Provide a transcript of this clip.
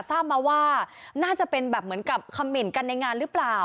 ทราบมาว่าน่าจะเป็นแบบเหมือนกับคำเหน่นกันในงานหรือเปล่า